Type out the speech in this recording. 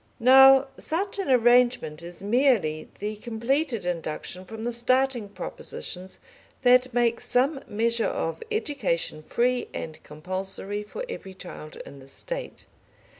Now such an arrangement is merely the completed induction from the starting propositions that make some measure of education free and compulsory for every child in the State.